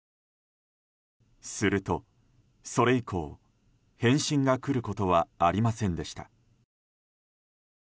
すると、それ以降返信が来ることはありませんでした。